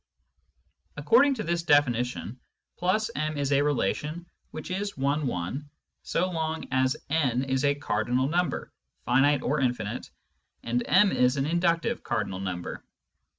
Accord ing to this definition, \ m is a relation which is one one so long as n is a cardinal number (finite or infinite) and m is an inductive cardinal number.